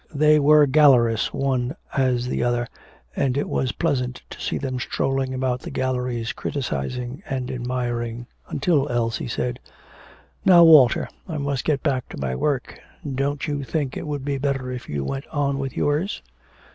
They were garrulous one as the other, and it was pleasant to see them strolling about the galleries criticising and admiring, until Elsie said: 'Now, Walter, I must get back to my work, and don't you think it would be better if you went on with yours?'